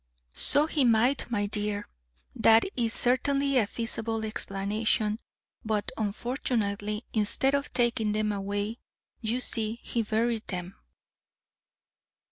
"So he might, my dear. That is certainly a feasible explanation, but unfortunately, instead of taking them away, you see he buried them."